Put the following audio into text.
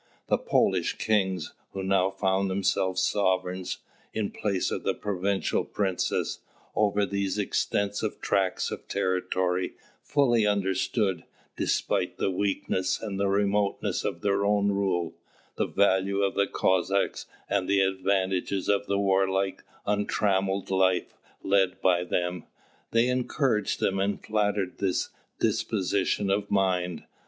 The Polish kings, who now found themselves sovereigns, in place of the provincial princes, over these extensive tracts of territory, fully understood, despite the weakness and remoteness of their own rule, the value of the Cossacks, and the advantages of the warlike, untrammelled life led by them. They encouraged them and flattered this disposition of mind.